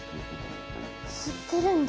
吸ってるんだ。